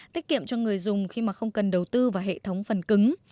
tiết kiệm cho người dùng khi mà không cần đầu tư vào hệ thống phần cứng